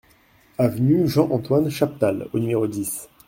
Avenue Jean-Antoine Chaptal au numéro dix